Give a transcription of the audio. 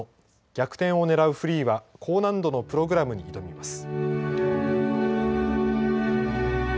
逆転をねらうフリーは高難度のプログラムに挑みます。